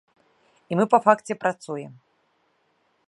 І мы па факце працуем.